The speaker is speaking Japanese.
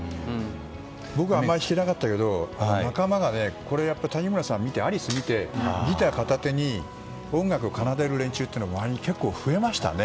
僕、あまり知らなかったけど谷村さんを見てアリスを見てギター片手に音楽を奏でる連中が周りに結構増えましたね。